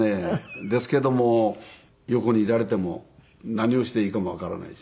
ですけども横にいられても何をしていいかもわからないし。